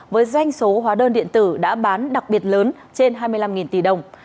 với doanh số hóa đơn điện tử đã bán đặc biệt lớn trên hai mươi năm tỷ đồng